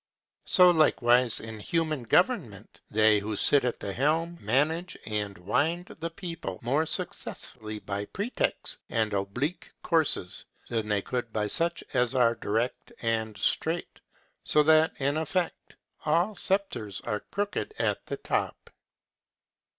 So likewise in human government, they who sit at the helm, manage and wind the people more successfully by pretext and oblique courses, than they could by such as are direct and straight; so that, in effect, all sceptres are crooked at the top.